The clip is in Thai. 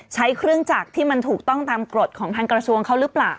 ใช้เครื่องจักรที่มันถูกต้องตามกฎของทางกระทรวงเขาหรือเปล่า